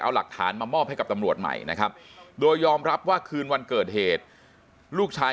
เอาหลักฐานมามอบให้กับตำรวจใหม่นะครับโดยยอมรับว่าคืนวันเกิดเหตุลูกชาย